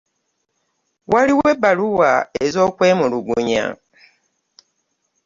Waliwo ebbaluwa ez'okwemuluguya.